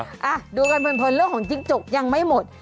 อ่ะดูกันเพลินเรื่องของจิ๊กจกยังไม่หมด